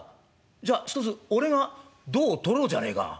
じゃあひとつ俺が胴を取ろうじゃねえか」。